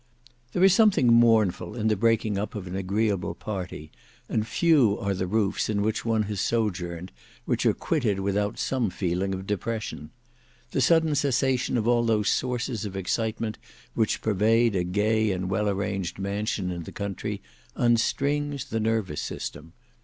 There is something mournful in the breaking up of an agreeable party, and few are the roofs in which one has sojourned, which are quitted without some feeling of depression. The sudden cessation of all those sources of excitement which pervade a gay and well arranged mansion in the country, unstrings the nervous system.